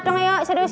banya masih busa